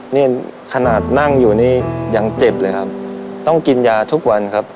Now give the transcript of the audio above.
นี่ขนาดนั่งอยู่นี่ยังเจ็บเลยครับต้องกินยาทุกวันครับ